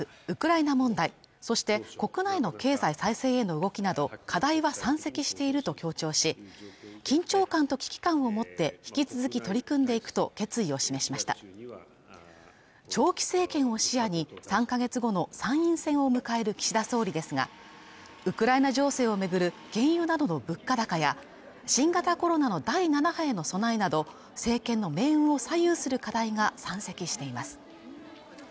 ウクライナ問題そして国内の経済再生への動きなど課題は山積していると強調し緊張感と危機感を持って引き続き取り組んでいくと決意を示しました長期政権を視野に３カ月後の参院選を迎える岸田総理ですがウクライナ情勢を巡る原油などの物価高や新型コロナの第７波への備えなど政権の命運を左右する課題が山積しています